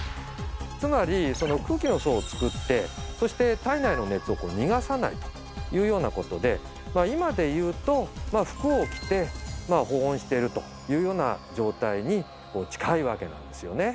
つまりその空気の層を作ってそして体内の熱を逃がさないというようなことで今で言うと服を着て保温してるというような状態に近いわけなんですよね。